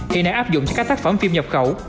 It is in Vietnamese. hiện nay áp dụng cho các tác phẩm phim nhập khẩu